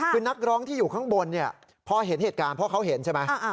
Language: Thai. คือนักร้องที่อยู่ข้างบนเนี่ยพอเห็นเหตุการณ์เพราะเขาเห็นใช่ไหม